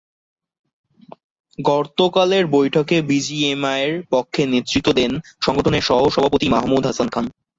গতকালের বৈঠকে বিজিএমইএর পক্ষে নেতৃত্ব দেন সংগঠনের সহসভাপতি মাহমুদ হাসান খান।